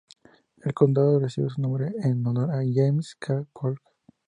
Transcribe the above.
El condado recibe su nombre en honor a James K. Polk.